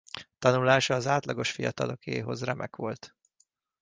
Tanulása az átlagos fiatalokéhoz remek volt.